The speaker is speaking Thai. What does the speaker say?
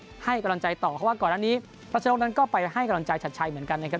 ให้กำลังใจต่อเพราะว่าก่อนอันนี้รัชนกนั้นก็ไปให้กำลังใจชัดชัยเหมือนกันนะครับ